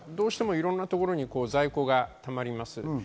いろいろなところに在庫がたまります。